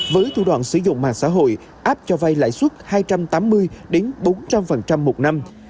với thủ đoạn sử dụng mạng xã hội áp cho vay lãi suất hai trăm tám mươi bốn trăm linh một năm